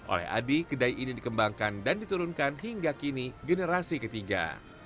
oleh adi kedai ini dikembangkan dan diturunkan hingga kini generasi ketiga